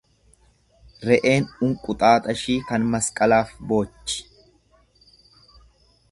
Re'een unquxaaxashii kan masqalaaf boochi.